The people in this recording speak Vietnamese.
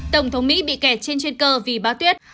tổng thống mỹ bị kẹt trên chuyên cơ vì bá tuyết